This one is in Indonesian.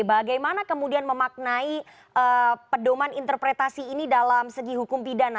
bagaimana kemudian memaknai pedoman interpretasi ini dalam segi hukum pidana